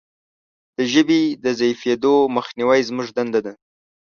د ژبې د ضعیفیدو مخنیوی زموږ دنده ده.